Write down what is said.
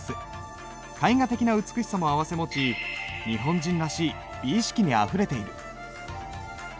絵画的な美しさも併せ持ち日本人らしい美意識にあふれている。